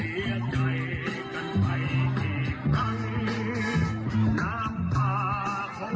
กิจกล้ามกันกันไปเท่าไหร่